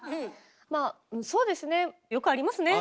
まあそうですねよくありますね。